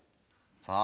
さあ。